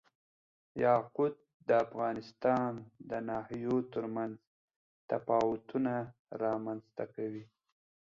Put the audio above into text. یاقوت د افغانستان د ناحیو ترمنځ تفاوتونه رامنځ ته کوي.